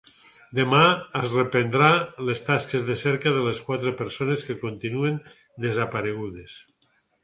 Demà es reprendran les tasques de cerca de les quatre persones que continuen desaparegudes.